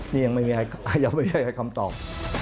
นี่ยังไม่มีใครคำตอบ